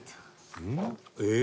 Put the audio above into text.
えっ？